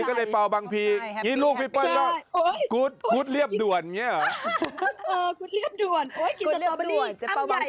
เจ๊เป่าบังพีสวัสดีค่ะเจ๊เป่าบังพีกินสตอบอันนี้อยู่